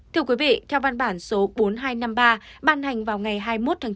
thưa quý vị theo văn bản số bốn nghìn hai trăm năm mươi ba ban hành vào ngày hai mươi một tháng chín